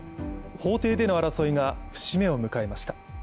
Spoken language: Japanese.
法廷での争いが節目を迎えました。